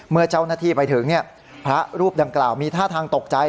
เมื่อเจ้าหน้าที่ไปถึงพระรูปดังกล่าวมีท่าทางตกใจ